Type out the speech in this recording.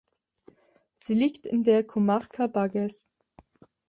Sie liegt in der Comarca Bages.